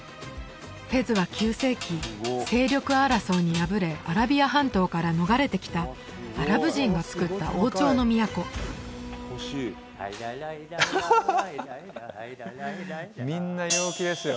フェズは９世紀勢力争いに敗れアラビア半島から逃れてきたアラブ人がつくった王朝の都みんな陽気ですよ